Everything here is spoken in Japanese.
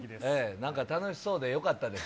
なんか楽しそうでよかったです。